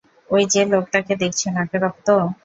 ওই যে লোকটাকে দেখছ, নাকে রক্ত!